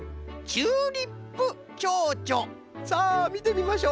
さあみてみましょう！